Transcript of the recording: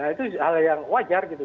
itu hal yang wajar gitu